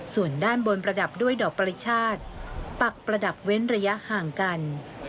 ส่วนด้านบนประดับด้วยดอกปริชาติปักประดับเว้นระยะห่างกัน